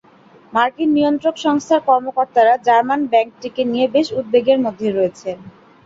মার্কিন নিয়ন্ত্রক সংস্থার কর্মকর্তারা জার্মান ব্যাংকটিকে নিয়ে বেশ উদ্বেগের মধ্যে রয়েছেন।